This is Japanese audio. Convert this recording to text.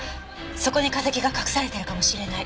そこに化石が隠されてるかもしれない！